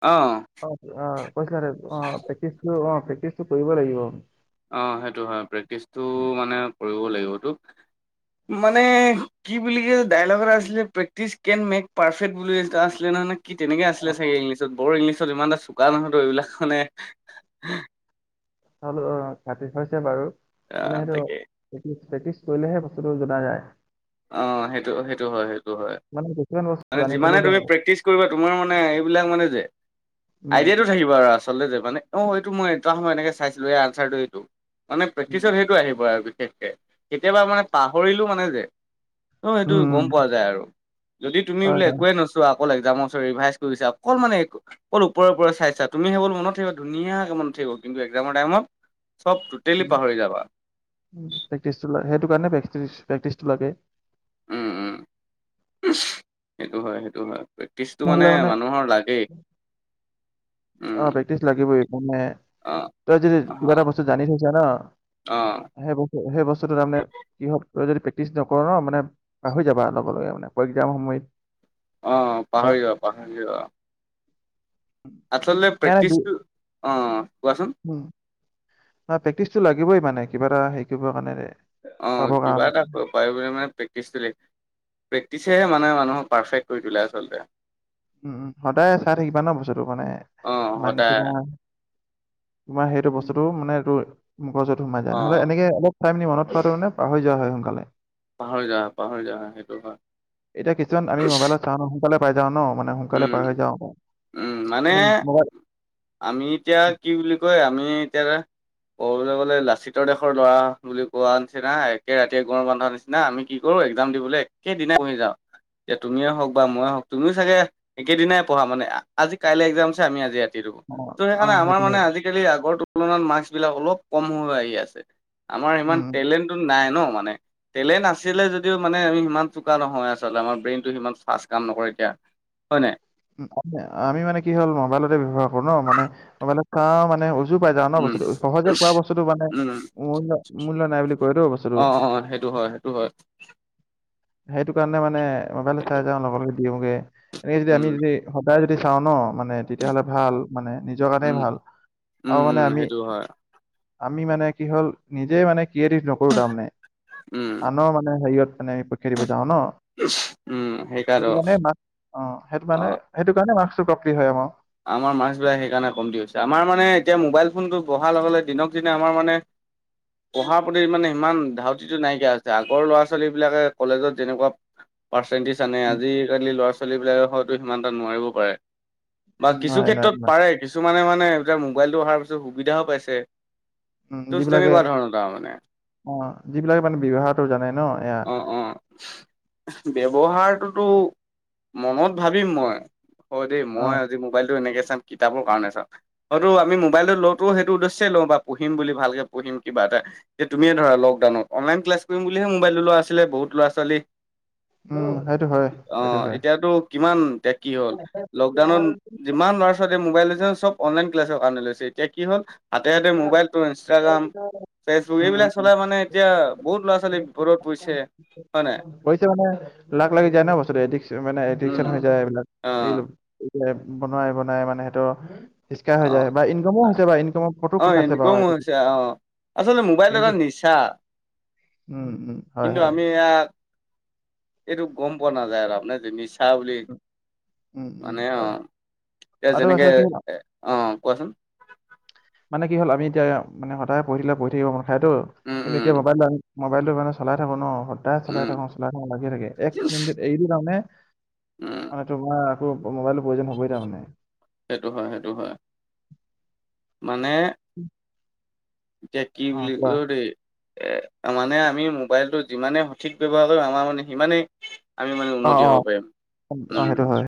অ অ অ কৈছিলা অ প্ৰেক্টিচটো অ প্ৰেক্টিচটো কৰিব লাগিব। অ সেইটো হয় প্ৰেক্টিচটো মানে কৰিব লাগিবতটো মানে কি বুলি কে যে ডাইলগ এটা আছিলে প্ৰেক্টিচ কেন মেক পাৰফেক্ট বুলি এটা আছিলে নহয়। কি তেনেকে আছিলে চাগে ইংলিছত বৰ ইংলিছত ইমান এটা চোকা নহয়তো এইবিলাক মানে চালো অ ঘাটি হৈছে বাৰু মানে অ', সেইটো তাকে প্ৰেক্টি প্ৰেক্টিছ কৰিলেহে বস্তুটো জনা যায়। অ সেইটো সেইটো হয় সেইটো হয়। মানে কিছুমান বস্তু মানে জানি থলো যিমানে দে তুমি প্ৰেক্টিচ কৰিবা তোমাৰ মানে এইবিলাক মানে যে উম উম আইডিয়াটো থাকিব আৰু আচলতে যে মানে অ এইটো মই এটা সময় এনেকে চাইছিলোঁ এই আনচাৰটো এইটো। মানে উম প্ৰেক্টিচত সেইটো আহিব আৰু বিশেষকে কেতিয়াবা মানে পাহৰিলোঁ মানে যে অ সেইটো উম গম উম, পোৱা যায় আৰু যদি তুমি হয় বোলে হয় একোৱে নছ তৱা অকল এক্সাম ৰিভাইজ কৰিছা অকল মানে একো অকল ওপৰে ওপৰে চাইছা তুমি সেইবল মনত থাকিব ধুনীয়াকে মনত থাকিব কিন্তু এক্সামৰ টাইমত চব টোটেলি পাহৰি যাবা। উ প্ৰেকটিচটো সেইটো কাৰণে প্ৰেকটিচটো লাগে উম উম সেইটো হয় সেইটো হয়। টিছটো মানে মানুহৰ লাগেই। অ উম প্ৰেক্টিচ লাগিবই মানে অ তই যদি অ কিবা এটা বস্তু জানি থৈছ ন। অ সেই বস্তু সেই বস্তুটো তাৰমানে কি হয় তই যদি প্ৰেক্টিচ নকৰ ন মানে পাহৰি যাবা লগে লগে মানে আকৌ এক্সাম সময়ত অ বা পাহৰি যোৱা পাহৰি যোৱা। আচলতে প্ৰেক্টিচটো অ কোৱাচোন? উ প্ৰেক্টিচটো লাগিবই মানে কিবা এটা হেৰি কৰিব কাৰণে। অ পাবৰ কিবা কাৰণে এটা ক পাৰি গ'লে মানে প্ৰেক্টিচটো প্ৰেক্টিচেহে মানে মানুহক পাৰফেক্ট কৰি তোলে আচলতে। উম সদায় চাই থাকিবা ন বস্তুটো মানে অ ইমান কি সদায় তোমাৰ সেইটো বস্তুটো মানে এইটো মগজুত সোমাই যায় নহ'লে অ এনেকে অলপ চাই মিনি মনত থোৱাতো নে পাহৰি যোৱা হয় সোনকালে। পাহৰি যাওঁ পাহৰি যাওঁ সেইটো হয় এতিয়া কিছুমান আমি মোবাইলত চাওঁ ন সোনকালে পাই যাওঁ ন মানে সোনকালে উম পাহৰি যাওঁ উম মানে উম মোবাইল আমি এতিয়া কি বুলি কয় আমি এতিয়া ক'বলৈ গ'লে লাচিতৰ দেশৰ ল'ৰা বুলি কোৱা নিচিনা একে ৰাতিয়ে গঁড় বান্ধা নিচি না আমি কি কৰোঁ একজাম দিবলে একেদিনা পঢ়ি যাওঁ এতিয়া তুমিয়ে হওঁক বা ময়ে হওঁক তুমিও চাগে একেদিনাই পঢ়া মানে আজি কাইলে এক্সাম আছে আমি আজি ৰাতিটো পঢ়ো অ অ সেটো আজিকালি আগৰ তুলনাত মাৰ্ক্স বিলাক অলপ কম হৈ হৈ আহি আছে। আমাৰ সিমান উম টেলেণ্ট নাই ন মানে। টেলেণ্ট আছিলে যদিও মানে আমি সিমান চোকা নহয় আচলতে। আমাৰ ব্ৰেইনটো সিমান ফাৰ্ষ্ট কাম নকৰে কিয়া। হয় নাই? আমি মানে কি হ'ল মোবাইলতে ব্যৱহাৰ কৰো ন মানে মোবাইলত চা মানে উজু পাই যাও ন উম, বস্তুটো। সহজে পোৱা বস্তুটো মানে উম, মূল্ মূল্য নাই বুলি কয়তো বস্তুটো। টো হয়। সেইটো কাৰণে মানে মোবাইল সেইটো চাই যাওঁ লগে লগে দিয়োগে। এই যদি উম, আমি সেই সদায় যদি চাওঁ ন মানে তেতিয়াহ'লে ভাল, মানে নিজৰ কাণেই উম, ভাল। উম, আও মানে উম, আমি সেইটো হয়, আমি মানে কি হল নিজেই মানে ক্ৰিয়েটিভ জক কৰো তাৰ মানে। উম, আনৰ মানে হেয়িয়ত মানে আমি প ৰীক্ষা দিব যাওঁ ন। উম, সেইকাৰণে সেটো কাণে মাৰ্ক্স অ সেট অ', সেটো কাৰণে মাৰ্ক্সটো কমটি হয় আক'। আমাৰ মাৰ্ক্সবিলাক সেইকাৰণে কমটি হৈছে। আমাৰ মানে এতিয়া মোবাইল ফোনটো বঢ়া লগে লগে দিনক দিনে আমাৰ মানে পঢ়া প্ৰতি মানে ইমান ধাউতিটো নাইকিয়া হৈছে। আগৰ ল'ৰা ছোৱালী বিলাকে কলেজত যেনেকুৱা পাৰ্চেণ্টিজ আনে। উম, আজিকালি ল'ৰা ছোৱালীবিলাকে হয়তো সিমানটা নোৱাৰিবও পাৰে। বা কিছু নোৱাৰে নোৱাৰে ক্ষেত্ৰত নোৱাৰে পাৰে কিছুমানে মানে এতিয়া মোবাইলটো অহাৰ পিছত সুবিধাও পাইছে। উম ত' যিবিলাকে তেনেকুৱা ধৰণৰ তাৰ মানে, অ যিবিলাকে মানে ব্যৱহাৰটো জানে ন এয়া। অ', অ', ব্যৱহাৰটোতো মনত ভাবিম মই হয় দেই, অ মই আজি মোবাইলটো এনেকে চাম, কিতাপ কাৰণে চাম। হয়টো আমি মোবাইলটো লওতো সেইটো উদ্দেশ্যই লওঁ বা পঢ়িম বুলি ভালকে পঢ়িম কিবা এটা। এ তুমিয়ে ধৰা লকডাউনত অনলাইন ক্লাছ কৰিম বুলিহে মোবাইলটো লোৱা আছিলে বহুত লৰা ছোৱালী। উম সেইটো হয় অ সেইটো হয় এতিয়াতো কিমান এতিয়া কি হ'ল। লকডাউনত যিমান ল'ৰা ছোৱালীয়ে মোবাইল লৈছে চব অনলাইন ক্লাছৰ কাৰণে লৈছে। এতিয়া কি হ'ল? হাতে হাতে মোবাইলটো, ইনষ্টাগ্ৰাম, ফেচবুক উম এইবিলাক উম চলাই মানে এতিয়া বহুত ল'ৰা ছোৱালী বিপদত পৰিছে। হয় নাই হৈছে মানে। লাগ লাগি যায় ন বস্তুটো এডিকচ মানে এডিকচন উম হৈ যায় এইবিলাক। অ এইলো ইতিয়া বনোৱাই বনাই মানে সেটো সিস্কাই‌ হৈ যায় বা ইনকামো হৈছে বা ইনকামৰ পথো খোল খাইছে বাৰু। ওঁ সেইটো হৈছে অ। আচলতে মোবাইলটো কিন্তু এটা নিচা। উম! উম! হয় হয়। এয়াত এইটো গম পোৱা নাযায় তাৰমানে যি নিচ চা বুলি উম উম উম মানে অ হয় হয় এতিয়া আৰু যেনেকে আচলতে কি হ'ল এ অ অ কোৱাচোন। মানে কি হ'ল আমি এতিয়া মানে সদায় পঢ়িলে পঢ়ি থাকিব মন খায়তো। উম কিন্তু উম এতিয়া মোবাইলটো আমি মোবাইলটো মানে চলাই থাকো ন, সদায় চলাই উম থাকোং, চলাই থাকোং লাগিয়ে থাকে। এক মিনিটিত এইলো তামানে উম মানে তোমাৰ আকৌ মোবাইলটো প্ৰয়োজন হবই তামানে। সেইটো হয় সেইটো হয়। মানে উমহ। এতিয়া কি বুলি ও দেই এ মানে আমি মোবাইলটো যিমানেই সঠিক ব্যৱহাৰ কয়িম আমাৰ মানে সিমানেই আমি মানে অ উন্নতি অ হ'ব পাইম অ উম। সেইটো হয়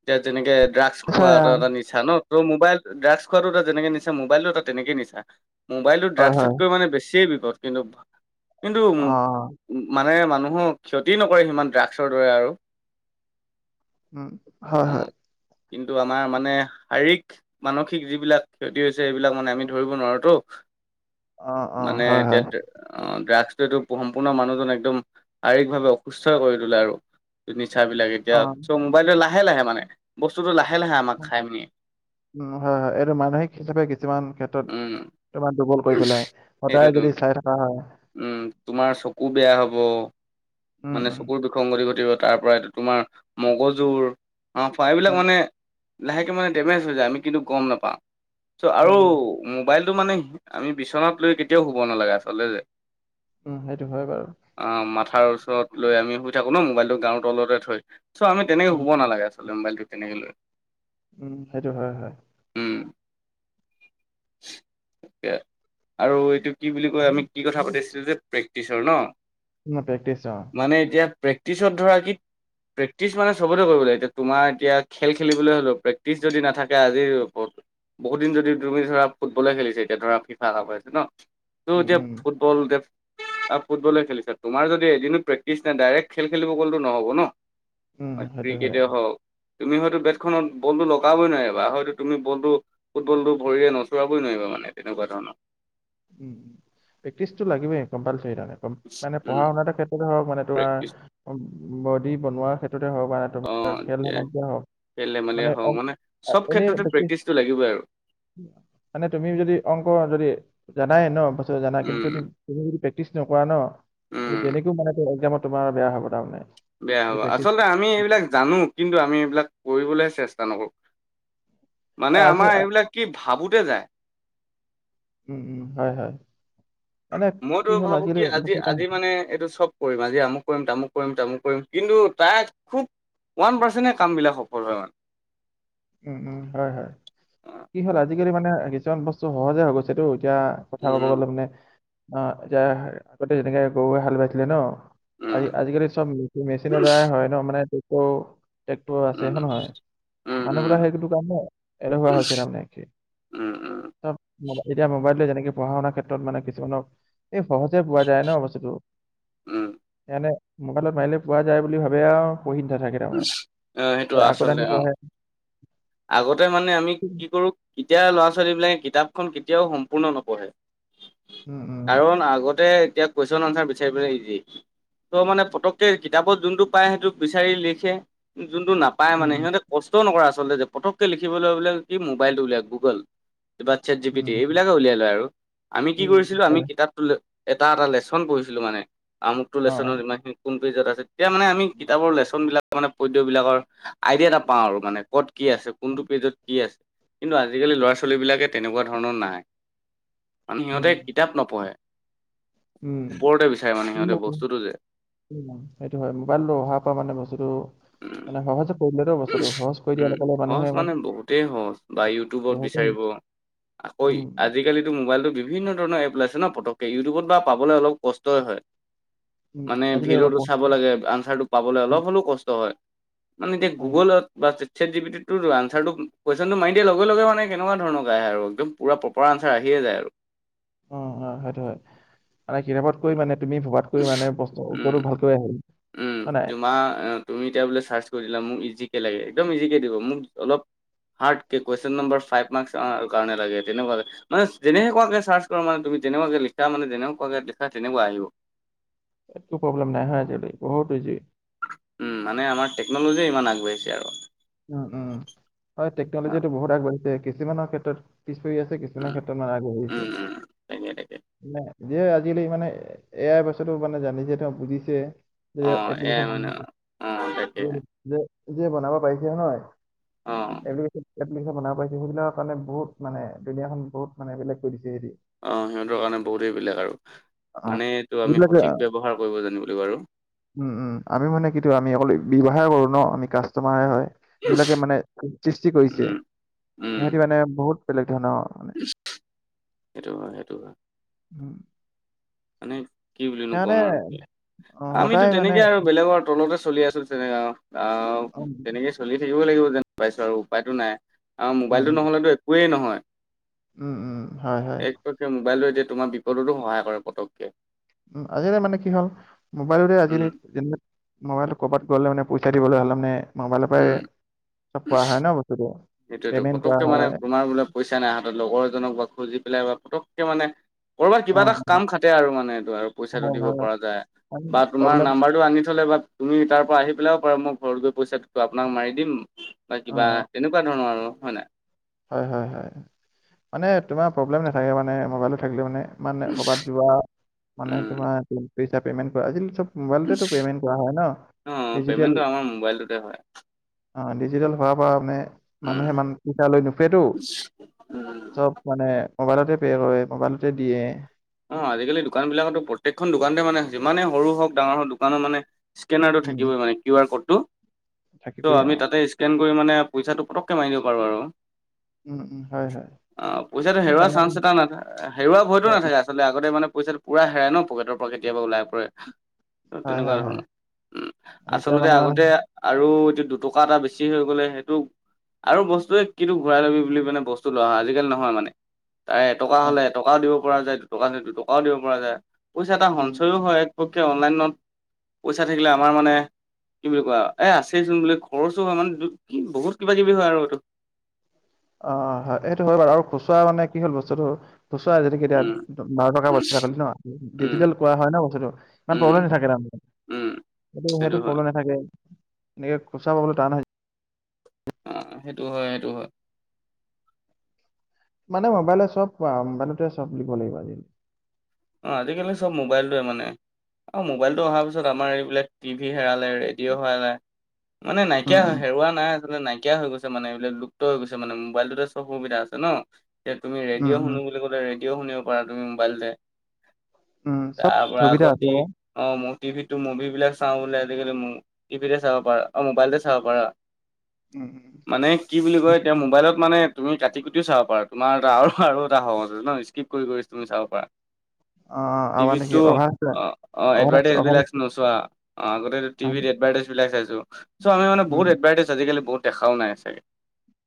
এতিয়া যেনেকে ড্ৰাগছ খোৱা নিশ্চয় এটা এটা নিচা। নিছা ন তো মোবাইল ড্ৰাগছ খোৱাটো এটা যেনেকে নিচা, মোবাইলটো এটা তেনেকে নিচা। মোবাইলটো হয় হয় ড্ৰাগছতকৈ মানে বেছিয়ে বিপদ। কিন্তু-কিন্তু অ অ মানে মানুহক ক্ষতি নকৰে সিমান ড্ৰাগছৰ দৰে আৰু। উম, হয় অ হয়, কিন্তু আমাৰ মানে, শাৰীৰিক মানসিক যিবিলাক ক্ষতি হৈছে সেইবিলাক মানে আমি ধৰিব নোৱাৰোতো। অ', অ', মানে হয়, এতিয়া হয়। [unintelligible] আহ ড্ৰাগছটোৱেটো সম্পূৰ্ণ মানুহজন একদম, শাৰীৰিকভাৱে অসুস্থই কৰি তোলে আৰু। নিচাবিলাক অ এতিয়া চো' মোবাইলো লাহে লাহে মানে। বস্তুটো লাহে লাহে আমা [unintelligible] উম, হয় হয়, এইটো মানসিক হিচাপে কিছুমান, ক্ষেত্ৰত। উম তোমাৰ দুৰ্বল কৰি পেলাই, সদায় সেইটোতো যদি চাই থকা হয়। উম, তোমাৰ চকু বেয়া হ'ব। উম, মানে উম, চকুৰ বিসংগতি ঘটিব তাৰ পৰা এইটো তোমাৰ, মগজুৰ। অ', [unintelligible] বিলাক উম, মানে, লাহেকে মানে ডেমেজ হৈ যায় আমি কিন্তু গম নাপাওঁ। চ' উম, আৰু, উম, মোবাইলটো মানে আমি বিচনাত লৈ কেতিয়াও শুব নালাগে আচলতে উম, সেইটো হয় বাৰু। আহ, মাথাৰ ওচৰত লৈ আমি শুই থাকো ন' মোবাইলটো গাৰুৰ তলতে থৈ। চ' আমি তেনেকে উম, শুব নালাগে আচলতে মোবাইলটো তেনেকে লৈ। উম, সেইটো হয় হয়। উম, [unintelligible] আৰু এইটো কি বুলি কয় আমি কি কথা পাতিছিলো যে, প্ৰেক্টিচৰ ন'? উম, প্ৰেকটিছৰ। মানে এতিয়া প্ৰেক্টিচত ধৰা কি প্ৰেক্টিচ মানে চবতে কৰিব লাগে এতিয়া তোমাৰ এতিয়া খেল খেলিবলৈ হ'লো প্ৰেক্টিচ যদি নাথাকে আজিৰ বহুত দিন যদি তুমি ধৰা ফুটবলে খেলিছা এতিয়া ধৰা ফিফা কাপ হৈ আছে ন' ত' উম, এতিয়া উম, ফুট [unintelligible] আৰু ফুটবলে খেলিছা, তোমাৰ যদি এদিনো প্ৰেক্টিচ নাই ডাইৰেক্ট খেল খেলিব গ'লেতো নহ'ব ন'? উম, বা সেইটো হয়। ক্ৰিকেটে হওক। তুমি হয়তো বেটখনত বলটো লগাবই নোৱাৰিবা হয়তো তুমি বলটো ফুটবলটো ভৰিৰে ন [unintelligible] নোৱাৰিবা মানে তেনেকুৱা ধৰণৰ। উম, প্ৰেক্টিচটো লাগিবই কম্পালচৰি তাতে। মানে উম পঢ়াশুনাৰে ক্ষেত্ৰতে হওক মানে তোমাৰ, প্ৰেক্টিচ বডি বনোৱাৰ ক্ষেত্ৰতে হওক বা অ খেল এতিয়া সমন্বিয়ে হওক, খেল ধেমালিয়ে মানে হওক চব এনেই ক্ষেত্ৰতে প্ৰেকটিছ প্ৰেক্টিচটো লাগিবই আৰু মানে তুমি যদি অংক যদি, জানাই ন' পাছত জানা কিন্তু উম তুমি যদি প্ৰেক্টিচ নকৰা ন', তুমি উম তেনেকেও মানে একজামত তোমাৰ বেয়া হ'ব তাৰমানে। বেয়া হ'ব যদি প্ৰেক্টিচ আচলতে আমি এইবিলাক জানো, কিন্তু আমি এইবিলাক কৰিবলৈহে চেষ্টা নকৰোঁ। মানে আছে আমাৰ এইবিলাক কি ভাবোতে যায়। উম, উম, হয়, হয়, মানে মইতো হ'ল ভাবো আজিকালি কি বস্তুবিলাক আজি-আজি মানে, এইটো চব কৰিম আজি আমুক কৰিম তামুক কৰিম তামুক কৰিম, কিন্তু তাই খুব ওৱান পাৰ্চণ্টেহে কাম বিলাক সফল হয় মানে। উম, উম, হয়, হয় কি হ'ল আজিকালি মানে কিছুমান বস্তু সহজে হৈ গৈছেতো, এতিয়া কথা ক'ব উম গলে মানে, অ, [unintelligible] গৰুৱে হাল বাইছিলে ন'। উম আজি আজিকালি চব, মেচিনৰ দ্বাৰাই হয় ন' মানে ট্ৰেক্ট, ট্ৰেক্টৰ আছে উম উম হয় নে নহয়। উম মানুহবিলাক সেইতোটো কাৰণেই, এলেহুৱা হৈছে তাৰমানে কি উম উম [unintelligible] এতিয়া মোবাইল যেনেকে পঢ়াশুনাৰ ক্ষেত্ৰত মানে কিছুমানক এই সহজে পোৱা যায় ন' বস্তুটো, উম সেকাৰণে মোবাইলত মাৰিলে পোৱা যায় বুলি ভাবে আৰু, পহি নাথাকে। তাৰমানে আহ সেইটো আচলতে আগৰদানি অ, পঢ়ে আগতে মানে আমি কি কৰো এতিয়া ল'ৰা ছোৱালীবিলাকে কিতাপখন কেতিয়াও সম্পূৰ্ণ নপঢ়ে। উম উম কাৰণ আগতে এতিয়া কুৱেশ্যন আনচাৰ বিচাৰি পেলাই ইজি, ত' মানে পতককে কিতাপত যোনটো পায় সেইটো বিচাৰি লিখ খে যোনটো নাপায় মানে উম সিহঁতে কষ্টও নকৰা আচলতে যে পতককে লিখিবলৈ বোলে কি মোবাইলটো উলিওৱা গুগল কিবা চেট জি পি টি উম এইবিলাকে উলিয়াই লয় আৰু আমি কি উম, কৰিছিলো, আমি হয়। কিতাপ তোলে, এটা এটা লেচন পঢ়িছিলো মানে আমুকটো অ অ লেচনৰ ইমানখিন কোন পেজত আছে এতিয়া মানে আমি কিতাপৰ লেচনবিলাক মানে পদ্যবিলাকৰ আইডিয়া এটা পাওঁ আৰু মানে ক'ত কি আছে? কোনটো উম পেজত কি আছে? কিন্তু আজিকালি ল'ৰা - ছোৱালীবিলাকে তেনেকুৱা ধৰণৰ নাই। মানে সিহঁতে কিতাপ নপঢ়ে। উম ওপৰতে বিচাৰে মানে সিহঁতে উম, বস্তুটো যে। সেইটো হয় মোবাইলটো অহাৰ পৰা মানে বস্তুটো উম মানে সহজে কৰি দিলেতো বস্তুটো, সহজ কৰি দিয়া উম লগে লগে মানুহে ইমান টোবত বহুতে বিচাৰিব আকৌ উম আজি কালিতো মোবাইলটো বি বিভিন্ন ধৰণৰ এপ ওলাইছে ন পতককে, ইউটিউবত বা পাবলৈ অলপ কষ্টই হয়। উম মানে আজিকালি অ অ ভিডিঅ'টো চাব লাগে আনচাৰটো পাবলৈ অলপ হ'লেও কষ্ট হয় মানে এতিয়া গুগলত বা ছেট ছেট জি পি টিততো আনচাৰটো কুৱেচনটো মাৰি দিয়াৰ লগে লগে মানে কেনেকোৱা ধৰণৰকে আহে আৰু একদম পোৰা প্ৰপাৰ আনচাৰ আহিয়ে যায় আৰু। অ হয় সেইটো হয় মানে কিতাপত কৈ মানে তুমি ভবাতকৈ মানে প্ৰশ্ন উত্তৰটো উম, ভালকৈ আহে। উম তোমাৰ উ তুমি এতিয়া বোলে চাৰ্চ কৰি দিলা মোক ইজিকে লাগে, একদম ইজিকে দিব মোক অলপ হাৰ্টকে কুৱেশন নম্বৰ ফাইভ মাৰ্ক্স কাৰণে লাগে তেনেকোৱাকে মানে যেনেকোৱাকে চাৰ্চ কৰা মানে তুমি তেনেকোৱাকে লিখা মানে যেনেকোৱাকে লিখা তেনেকোৱা আহিব। একো প্ৰব্লেম নাই হয় আজিকালি বহুত বিজি। উম মানে আমাৰ টেকন'লজিয়ে ইমান আগবাঢ়িছে আৰু। উম উম হয় উম, টেকনলজিটো বহুত আগবাঢ়িছে কিছুমানৰ ক্ষেত্ৰত পিছ পৰি আছে কিছুমান উম, ক্ষেত্ৰত মানে আগবাঢ়িছে, উম, উম, তাকে তাকে। নে যে আজিকালি মানে এ য়াই বস্তুটো জানিছে, তেওঁ বুজিছে যে অ', এয়াই এপ্লিকেশ্বনখন মানে অ', তাকে হেল্ল! যে যিয়ে বনাব পাৰিছে নহয় অ', এনেই বনাব পাইছে সেইবিলাক কাৰণে বহুত মানে দুনীয়াখন বহুত মানে বেলেগ কৰি দিছে সেহতি। অ সিহঁতৰ কাৰণে বহুতেই বেলেগ আৰু অ মানে এইটো আমি যিবিলাকে সঠিক ব্যৱহাৰ কৰিব জানিব লাগিব আৰু। উম উম আমি মানে কিতো আমি অকল ব্যৱহাৰ কৰো ন আমি কাষ্টমাৰহে হয়। যিবিলাকে মানে সৃষ্টি কৰিছে, উম, উম, সিহঁতি মানে বহুত বেলেগ ধৰণৰ। সেইটো হয় সেইটো হয়। উম। মানে কি বুলিনো সিহঁতে কম আৰু অ', আমিতো সদায় মানে তেনেকে আৰু বেলেগৰ তলতে চলি আছো। তেনে অহ উম, তেনেকে চলি থাকিব লাগিব যেন পাইছো আৰু উপায়তো নাই। আৰু উম, মোবাইলটো উম, নহলেতো একোৱেই নহয়। উম উম হয় হয়। পতককে মোবাইলটো এতিয়া তোমাৰ বিপদতো সহায় কৰে পতককে। উম আজিকালি মানে কি হ'ল মোবাইলতে উম, আজিকালি মোবাইলটো কৰবাত গ'লে মানে পইচা দিবলৈ হ'লে মানে মোবাইলৰ উম। পৰাই চব কৰা হয় ন বস্তুটো, পেমেণ্ট কৰা হয়। আ বোলে পইচা নাই হাতত, লগৰজনক বা খুজি পেলাই বা পতককে মানে কৰবাত কিবা এটা অ', অ', কাম খাতে আৰু মানে এইটো আৰু পইচাটো হয়, দিব হয়। পৰা যায়। বা তোমাৰ প্ৰব্লেম নাম্বাৰটো আনি থলে বা তুমি তাৰ পৰা আহি পেলাইও পাৰা মই ঘৰত গৈ পইচাটো আপোনাক মাৰি দিম বা অ', কিবা অ', তেনে ধৰণ আৰু হয় নাই। হয় হয় হয় মানে তোমাৰ প্ৰব্লেম নাথাকে মানে মোবাইলটো থাকিলে মানে। মানে কৰ'বাত যোৱা মানে উম। তোমাৰ পইচা পেমেন্ট কৰা আজি কালি চব মোবাইলতেতো পে'মেণ্ট কৰা হয় ন অ ডিজিটেল পেমেন্টটো আমাৰ মোবাইলটোতে হয় অ' ডিজিটেল হোৱাৰ পৰা মানে উম। মানুহে মানুহৰ পইছা লৈ নুফুৰেতো। চব মানে মোবাইলতে পে হয় মোবাইলতে দিয়ে। অ', আজিকালি দোকান বিলাকতো প্ৰত্যেকখন দোকানতে মানে যিমানে সৰু হওক ডাঙৰ হওক দোকানত মানে স্কেনাৰটো উম, উম, থাকিবই মানে কিউ আৰ ক'ডটো থাকি চ' কৰি আমি অ', তাতে স্কেন কৰি মানে পইচাটো পটকে মাৰি দিব পাৰো আৰু। উম, উম, হয়, হয়। অ', পইচাটো মানে হেৰুৱা ইমান চান্স এটা নাথাকে হেৰুৱা ভয়তো নাথাকে। আচলতে আগতে মানে পইচাটো পুৰা হেৰাই ন পকেটৰ পৰা কেতিয়াবা ওলাই পৰে। হয়, তেনেকুৱা হয়, হয়, ধৰণৰ উম মানে এতিয়া আচলতে মানে মানে আগতে আৰু এতিয়া দুটকা এটা বেছি হৈ গলে সেইটো আৰু বস্তুৱে কিটো ঘূৰাই ল'বি বুলি মানে বস্তু লোৱা হয় আজিকালি নহয় মানে। তাৰে এটকা অ', হ'লে এটকাও দিব পৰা যায় দুটকা হলে দুটকাও দিব পৰা যায় পইছা এটা উম, [unintelligible] হয়। পুটোকে অনলাইনত পইচা থাকিলে আমাৰ মানে কি বুলি কোৱা এ' আছেইচোন বোলে খৰচো হয় মানে কি বহুত কিবা কিবি হয় আৰু এইটো অ' হয় সেইটো হয় বাৰু আৰু খুচুৰা মানে কি হ'ল বস্তুটো খুচুৰা যেনেকে এতিয়া উম, বাৰ টকা বজাৰ কৰিলি ন উম, ডিজিটেল কৰা হয় ন বস্তুতো ইমান উম, প্ৰব্লেম নাথাকে তাৰমানে। উম, সেইটো, সেইটো প্ৰব্লেম নাথাকে এনেকে খুচৰা পাবলৈ টান অ' সেইটো হয় সেইটো হয়। মানে মোবাইলে চব পোৱা মবাইলতে চব বুলি কব লাগিব আজি। অ', আজিকালি চব মোবাইলটোৱে মানে অ' উম, মোবাইলটো অহাৰ পিছত আমাৰ এইবিলাক টিভি হেৰালে ৰেডিঅ' হেৰালে মানে উম, নাইকিয়া হয় হেৰুৱা নাই। নাইকিয়া হৈ গৈছে মানে এইবিলাক লুপ্ত হৈ গৈছে মানে মোবাইলটোতে চব সুবিধা আছে ন। এতিয়া তুমি উম, ৰেডিঅ' শুনু উম, বুলি কলে ৰেডিঅ' শুনিব পাৰা তুমি মোবাইলতে। উম, চব তাৰ পৰা সুবিধা আকৌ আছে বাৰু। টিভি অ' টিভিতো মুভি বিলাক চাওঁ বোলে আজিকালি টিভিতে চাব পাৰা অ' মোবাইলতে চাব পাৰা। উম, উম। মানে কি বুলি কয় এতিয়া মোবাইলত মানে তুমি কাটি কুটিও চাব পাৰা তোমাৰ এটা আৰু আৰু এটা সহজ হয় ন স্কিপ কৰি কৰি তুমি চাব পাৰা। অ', অ', আৰু মানে কি তোমিতো অভাৰ অ', অ' অভাৰ এডভাৰটাইজ অভাৰ বিলাক নোচোৱা। অ' আগতেটো টিভিত এডভাৰটাইজ বিলাক চাইছো চ' আমি মানে বহুত এডভাৰটাইজ আজিকালি বহুত দেখাও নাই চাগে।